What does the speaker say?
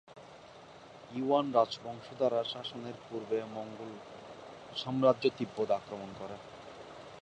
Yuan রাজবংশ দ্বারা শাসনের পূর্বে মঙ্গোল সাম্রাজ্য তিব্বত আক্রমণ করে।